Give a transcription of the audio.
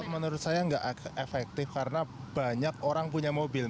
menurut saya nggak efektif karena banyak orang punya mobil